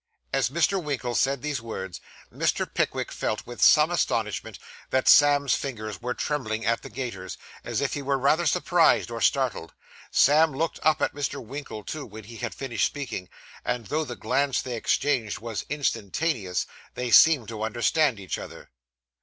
As Mr. Winkle said these words, Mr. Pickwick felt, with some astonishment, that Sam's fingers were trembling at the gaiters, as if he were rather surprised or startled. Sam looked up at Mr. Winkle, too, when he had finished speaking; and though the glance they exchanged was instantaneous, they seemed to understand each other.